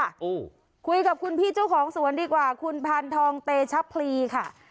โอ้คุยกับคุณพี่เจ้าของสวนดีกว่าคุณพานทองเตชะพลีค่ะ